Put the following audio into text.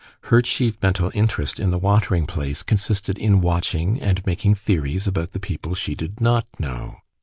Her chief mental interest in the watering place consisted in watching and making theories about the people she did not know.